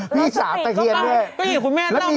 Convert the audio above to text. พี่สาวแต่เคียนด้วยแล้วมีชื่อเป็นตุเป็นตาแล้วสเปกก็บอก